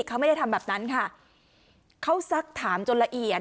เขาไม่ได้ทำแบบนั้นค่ะเขาซักถามจนละเอียด